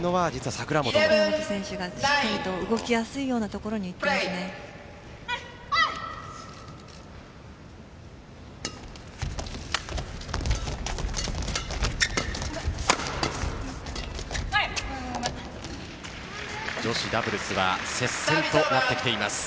櫻本選手がしっかりと動きやすいところにいっていますね。